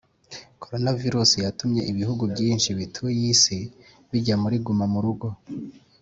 corona virusi yatumye ibihugu byinshi bituye isi bijya muri guma murugo